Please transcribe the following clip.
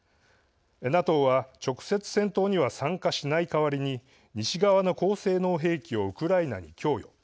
ＮＡＴＯは直接戦闘には参加しない代わりに西側の高性能兵器をウクライナに供与。